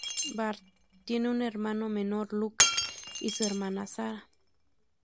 Barr tiene un hermano menor, Luke, y su hermana, Sara.